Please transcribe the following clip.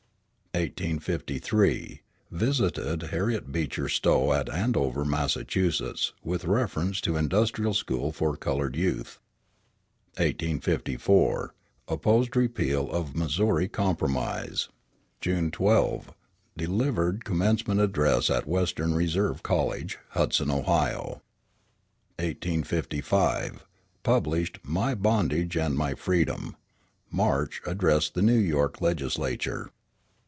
1853 Visited Harriet Beecher Stowe at Andover, Massachusetts, with reference to industrial school for colored youth. 1854 Opposed repeal of Missouri Compromise. June 12. Delivered commencement address at Western Reserve College, Hudson, Ohio. 1855 Published My Bondage and My Freedom. March. Addressed the New York legislature.